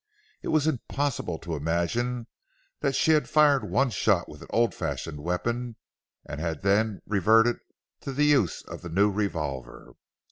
It was impossible to imagine that she had fired one shot with an old fashioned weapon, and had then reverted to the use of the new revolver.